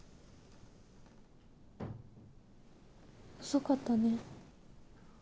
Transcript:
遅かったね。